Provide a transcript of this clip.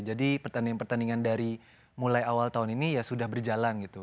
jadi pertandingan pertandingan dari mulai awal tahun ini ya sudah berjalan gitu